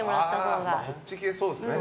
そっち系、そうですね。